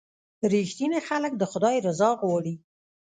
• رښتیني خلک د خدای رضا غواړي.